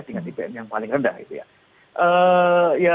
dengan ipm yang paling rendah gitu ya